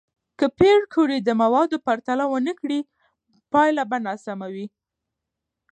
که پېیر کوري د موادو پرتله ونه کړي، پایله به ناسم وي.